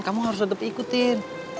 kamu harus tetap ikutin